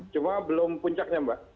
cuma belum puncaknya mbak